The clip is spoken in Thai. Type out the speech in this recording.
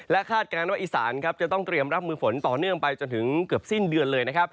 และฮาดการณ์อิสานจะต้องเตรียมรับมือฝนต่อเนื่องไปจนถึงเกือบสิ้นเดือน